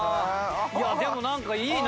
いやでもなんかいいな。